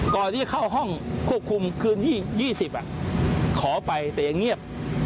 ก่อนเข้าห้องควบคุมเกือบที่๒๐ขอไปแต่ยังเงียบ